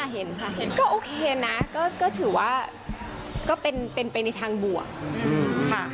เห็นค่ะเห็นก็โอเคนะก็ถือว่าก็เป็นไปในทางบวกค่ะ